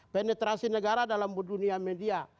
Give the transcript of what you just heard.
penetrasi negara dalam dunia media